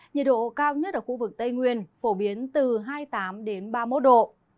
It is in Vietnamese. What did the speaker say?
nhiệt độ cao nhất ở khu vực tây nguyên phổ biến từ hai mươi tám ba mươi một độ